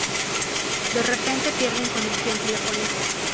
De repente pierden conexión telefónica.